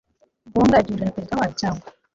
ngombwa itumijwe na perezida wayo cyangwa